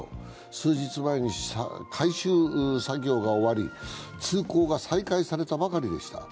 数日前に改修作業が終わり、通行が再開されたばかりでした。